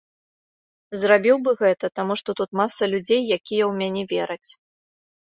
Зрабіў бы гэта, таму што тут маса людзей, якія ў мяне вераць.